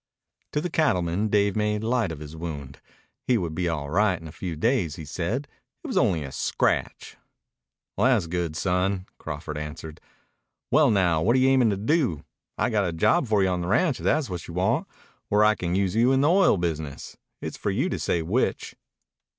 To the cattleman Dave made light of his wound. He would be all right in a few days, he said. It was only a scratch. "Tha's good, son," Crawford answered. "Well, now, what are you aimin' to do? I got a job for you on the ranch if tha's what you want. Or I can use you in the oil business. It's for you to say which."